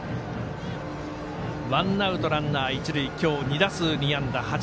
ワンアウトランナー、一塁今日２打数２安打。